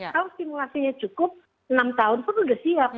kalau simulasinya cukup enam tahun pun sudah siap